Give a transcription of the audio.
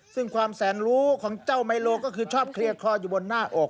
ซึ่งความแสนรู้ของเจ้าไมโลก็คือชอบเคลียร์คออยู่บนหน้าอก